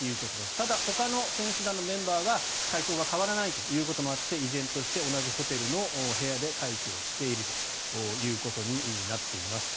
ただ、ほかの選手団のメンバーは体調が変わらないということもあって依然として同じホテルの部屋で待機をしているということになっています。